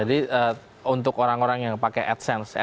jadi untuk orang orang yang pakai adsense